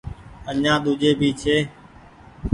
آڃآن ۮوجهي ڀي ڇي ۔